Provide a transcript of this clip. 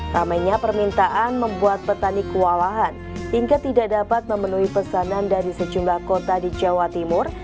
ramainya permintaan membuat petani kewalahan hingga tidak dapat memenuhi pesanan dari sejumlah kota di jawa timur